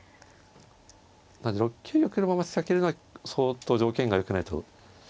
なので６九玉のまま仕掛けるのは相当条件がよくないと。